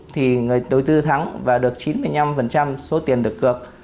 thì người đầu tư thắng và được chín mươi năm số tiền được cược